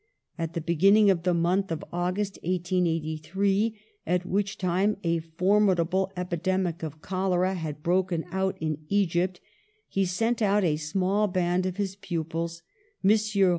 At the be ginning of the month of August, 1883, at which time a formidable epidemic of cholera had broken out in Egypt, he sent out a small band of his pupils, Messrs.